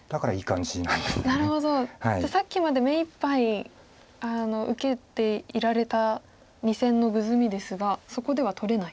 じゃあさっきまで目いっぱい受けていられた２線のグズミですがそこでは取れない。